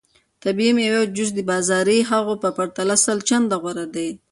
د طبیعي میوو جوس د بازاري هغو په پرتله سل چنده غوره دی.